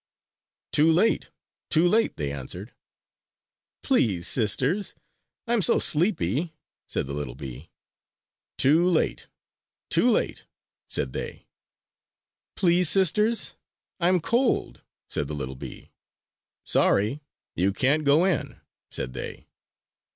"Too late! Too late!" they answered. "Please, sisters, I am so sleepy!" said the little bee. "Too late! Too late!" said they. "Please, sisters, I am cold!" said the little bee. "Sorry! You can't go in!" said they.